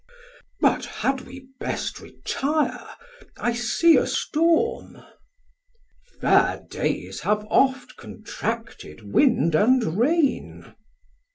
1060 But had we best retire, I see a storm? Sam: Fair days have oft contracted wind and rain.